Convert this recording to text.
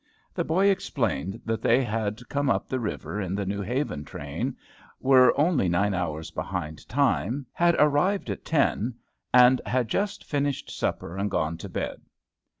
The boy explained that they had come up the river in the New Haven train, were only nine hours behind time, had arrived at ten, and had just finished supper and gone to bed.